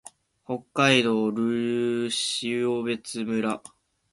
北海道留夜別村